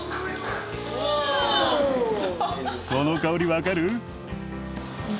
この香り分かる？